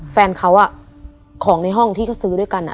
แฟนเขาของในห้องที่เขาซื้อด้วยกัน